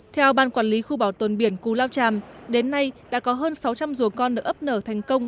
theo ban quản lý khu bảo tồn biển cù lao tràm đến nay đã có hơn sáu trăm linh rùa con được ấp nở thành công